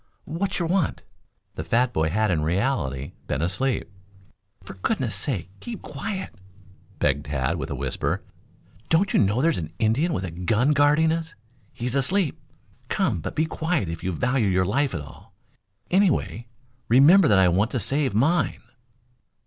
Wat'cher want?" The fat boy had in reality been asleep. "For goodness sake, keep quiet!" begged Tad in a whisper. "Don't you know there's an Indian with a gun guarding us? He's asleep. Come, but be quiet if you value your life at all. Anyway; remember that I want to save mine."